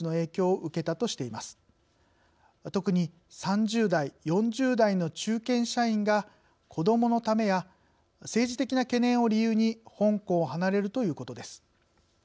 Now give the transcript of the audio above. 特に３０代４０代の中堅社員が「子どものため」や「政治的な懸念」を理由に香港を離れるということです。